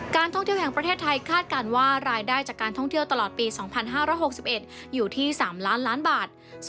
การท่องเที่ยวของประเทศไทยคาดการณ์ว่า